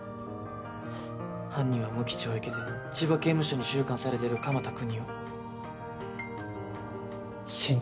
犯人は無期懲役、千葉刑務所に収監されているかまたくにお。